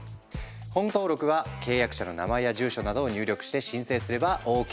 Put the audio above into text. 本登録は契約者の名前や住所などを入力して申請すればＯＫ！